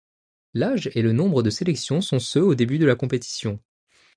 L'âge et le nombre de sélections sont ceux au début de la compétition.